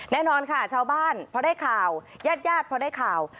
แน่นอนค่ะชาวบ้านพอได้ข่าวญาติญาติพอได้ข่าว